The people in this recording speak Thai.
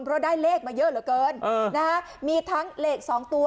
เพราะได้เลขมาเยอะเหลือเกินมีทั้งเลขสองตัว